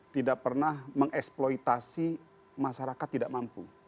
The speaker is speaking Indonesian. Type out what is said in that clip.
tidak pernah mengeksploitasi masyarakat tidak mampu